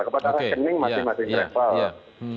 kepada rekening masing masing travel